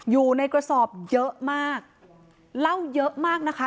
อยู่ในกระสอบเยอะมากเล่าเยอะมากนะคะ